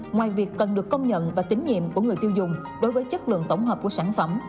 ngoài việc cần được công nhận và tín nhiệm của người tiêu dùng đối với chất lượng tổng hợp của sản phẩm